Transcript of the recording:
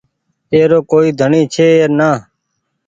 اي رو ڪوئي ڍڻي ڇي نآ۔